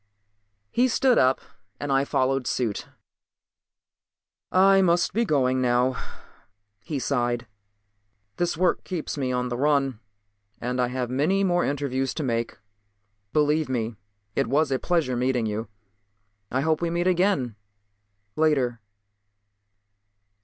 He stood up and I followed suit. "I must be going now," he sighed. "This work keeps me on the run and I have many more interviews to make. Believe me, it was a pleasure meeting you. I hope we meet again later."